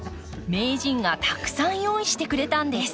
名人がたくさん用意してくれたんです。